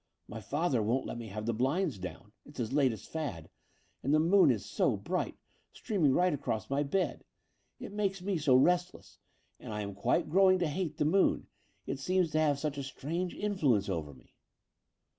My father won't let me have the blinds down — ^it's his latest fad — ^and the moon is so bright, streaming right across my bed. It makes me so restless; and I am quite growing to hate the moon. It seems to have such a strange influence over me."